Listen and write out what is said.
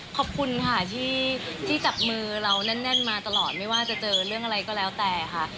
ขอบคุณค่ะที่จับมือเราแน่นมาตลอดไม่ว่าจะเจอเรื่องอะไรก็แล้วแต่ค่ะ